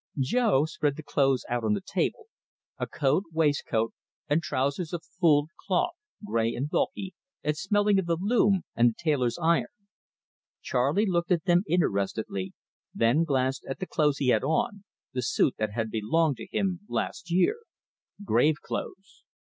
Jo spread the clothes out on the table a coat, waistcoat, and trousers of fulled cloth, grey and bulky, and smelling of the loom and the tailor's iron. Charley looked at them interestedly, then glanced at the clothes he had on, the suit that had belonged to him last year grave clothes.